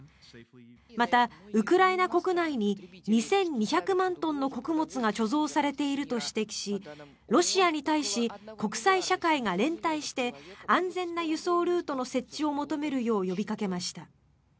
また、ウクライナ国内に２２００万トンの穀物が貯蔵されていると指摘しロシアに対し国際社会が連帯して安全な輸送ルートの設置を求めるよう呼びかけました。